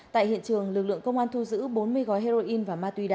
tại hiện trường lực lượng công an thu giữ bốn mươi gói heroin và ma túy đá